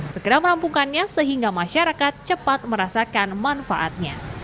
segera merampungkannya sehingga masyarakat cepat merasakan manfaatnya